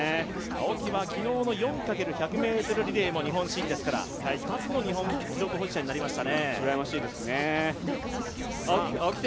青木は昨日の４×１００ｍリレーも日本新ですから２つの日本記録保持者になりましたね。